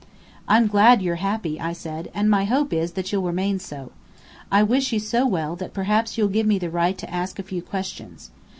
"I'm glad you're happy," I said, "and my hope is that you'll remain so. I wish you so well, that perhaps you'll give me the right to ask a few questions.